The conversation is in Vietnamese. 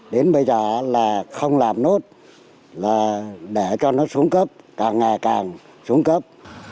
đến bây giờ là không làm nốt là để cho nó xuống cấp càng ngày càng xuống cấp